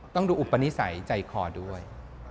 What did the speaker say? ต้องดูอุปนิสัยใจคอด้วย